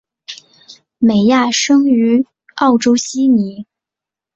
美亚生于澳洲悉尼。